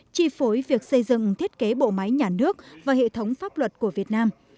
chi phối việc xây dựng thiết kế bộ máy nhà nước và hệ thống pháp luật của việt nam